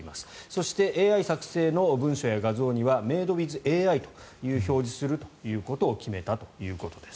そして、ＡＩ作成の文章や画像にはメイド・ウィズ・ＡＩと表示することを決めたということです。